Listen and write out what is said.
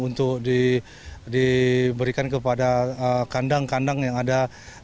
untuk diberikan kepada kandang kandang yang ada